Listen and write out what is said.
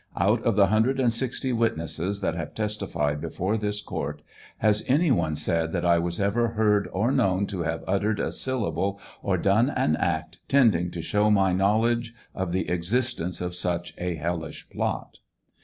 Out of the 160 wit nesses that have testified before this court, has any one said that I was ever heardo known to have uttered a syllable or done an act tending to show my knowledg( of the existence of such a hellish plot